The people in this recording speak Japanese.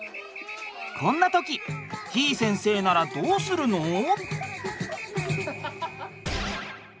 こんな時てぃ先生ならどうするの？